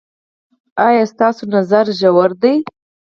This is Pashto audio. ایا ستاسو نظر ژور دی؟